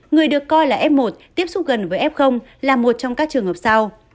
người được coi là f một tiếp xúc gần với f là một trong các trường hợp sau